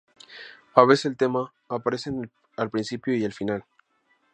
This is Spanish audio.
A veces el tema aparece al principio y al final.